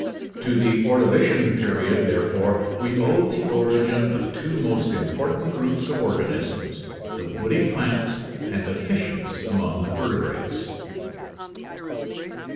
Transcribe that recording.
To the Ordovician period, therefore, we owe the origin of two most important groups of organisms, the woody plants and the fishes among the vertebrates.